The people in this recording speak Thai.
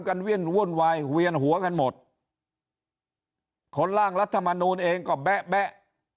เวียนวุ่นวายเวียนหัวกันหมดคนล่างรัฐมนูลเองก็แบ๊ะแบ๊ะ